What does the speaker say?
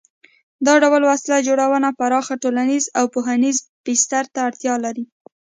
دا ډول وسله جوړونه پراخ ټولنیز او پوهنیز بستر ته اړتیا لري.